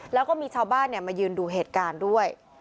แล้วก็มีชาวบ้านมายืนดูเหตุการณ์ด้วย